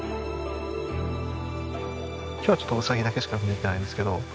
今日はちょっとウサギだけしか見られてないんですけど